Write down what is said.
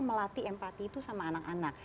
melatih empati itu sama anak anak